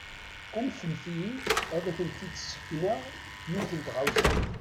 Anfemt-iyi ad kent-id-sekneɣ yiwet n tɣawsa.